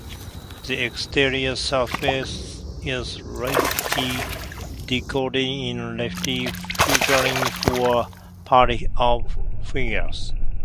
The exterior surface is richly decorated in relief, featuring four pairs of figures.